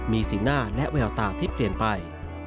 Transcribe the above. มีสีหน้าและแววตาที่เปลี่ยนไป